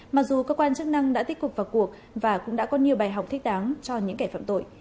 mặc dù cơ quan chức năng đã tích cực vào cuộc và cũng đã có nhiều bài học thích đáng cho những kẻ phạm tội